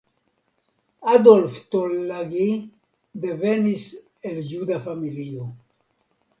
Adolf Tollagi devenis el juda familio.